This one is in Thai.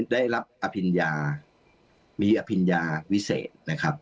ได้รับอภิญญามีอภิญญาวิเศษนะครับ